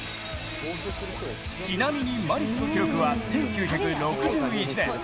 ちなみにマリスの記録は１９６１年。